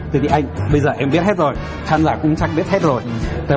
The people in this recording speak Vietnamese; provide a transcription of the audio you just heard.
thưa thưa anh bây giờ em biết hết rồi khán giả cũng chắc biết hết rồi